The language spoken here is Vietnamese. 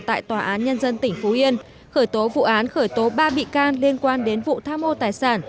tại tòa án nhân dân tỉnh phú yên khởi tố vụ án khởi tố ba bị can liên quan đến vụ tham ô tài sản